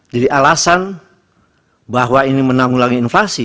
jadi alasan bahwa ini menanggulangi inflasi